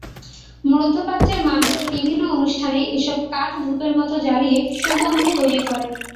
মধ্যপ্রাচ্যের মানুষ বিভিন্ন অনুষ্ঠানে এসব কাঠ ধূপের মতো জ্বালিয়ে সুগন্ধি তৈরি করে।